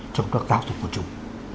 trong các giáo dục của chúng